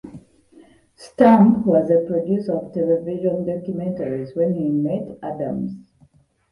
Stamp was a producer of television documentaries when he met Adams.